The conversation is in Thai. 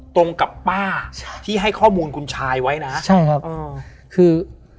ตรงกับป้าใช่ที่ให้ข้อมูลคุณชายไว้นะใช่ครับอ่าคือ